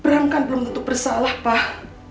perang kan belum tentu bersalah pak